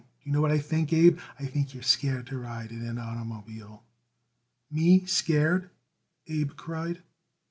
Do you know what I think, Abe? I think you're scared to ride in an oitermobile." "Me scared!" Abe cried.